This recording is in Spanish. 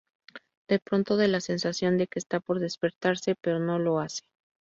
De pronto da la sensación de que está por despertarse, pero no lo hace.